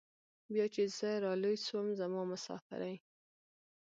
بيا چې زه رالوى سوم زما مسافرۍ.